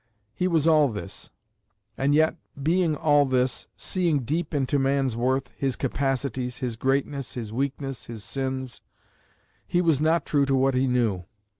He was all this. And yet being all this, seeing deep into man's worth, his capacities, his greatness, his weakness, his sins, he was not true to what he knew.